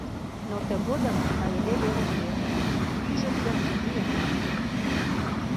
Но тыгодым кайыде вер уке: ӱжыт гын, мийыман.